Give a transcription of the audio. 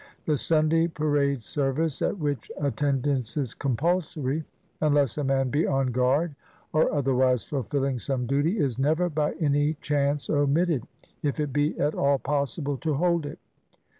The Sunday parade service, at which attend ance is compulsory, unless a man be on guard or other wise fulfilling some duty, is never by any chance omit ted, if it be at all possible to hold it.